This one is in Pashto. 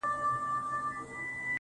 ټولي دنـيـا سره خــبري كـــوم.